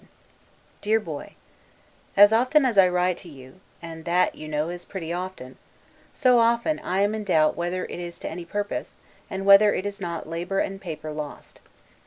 1747 DEAR BOY: As often as I write to you (and that you know is pretty often), so often I am in doubt whether it is to any purpose, and whether it is not labor and paper lost.